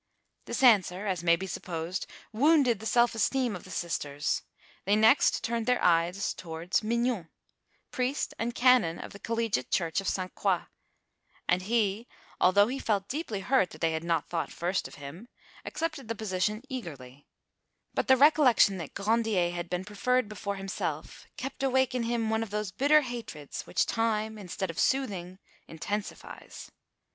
This answer, as may be supposed, wounded the self esteem of the sisters: they next turned their eyes towards Mignon, priest and canon of the collegiate church of Sainte Croix, and he, although he felt deeply hurt that they had not thought first of him, accepted the position eagerly; but the recollection that Grandier had been preferred before himself kept awake in, him one of those bitter hatreds which time, instead of soothing, intensifies.